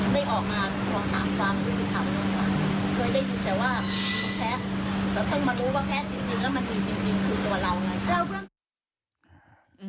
ลักษณ์เก็บ